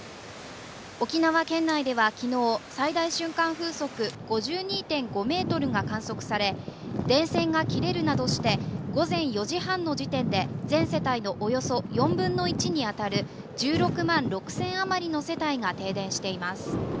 沖縄県内では昨日、最大瞬間風速５２．５メートルが観測され電線が切れるなどして午前４時半の時点で全世帯のおよそ４分の１に当たる１６万６０００余りの世帯が停電しています。